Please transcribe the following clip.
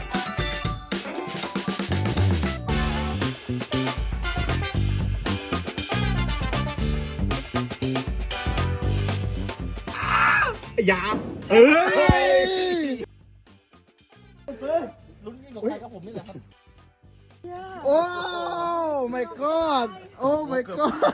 อย่าพูดอุ้ยแล้วมึงกับสวิงก็เปียกอีก